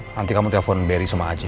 nanti kamu telepon barry sama haji